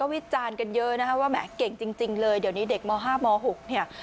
ว่าแหม่เก่งจริงเลยเดี๋ยวนี้เด็กม๕ม๖เนี่ย